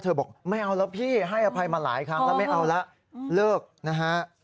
บอกไม่เอาแล้วพี่ให้อภัยมาหลายครั้งแล้วไม่เอาละเลิกนะฮะ